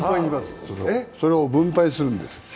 それを分配するんです。